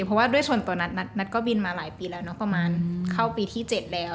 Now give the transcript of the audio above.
เพราะว่าด้วยส่วนตัวนัทนัทก็บินมาหลายปีแล้วเนอะประมาณเข้าปีที่๗แล้ว